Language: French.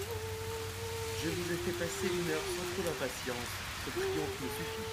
Je vous ai fait passer une heure sans trop d'impatience ; ce triomphe me suffit.